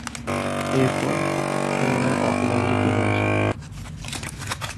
এরপর, পুনরায় অকল্যান্ডে ফিরে আসেন।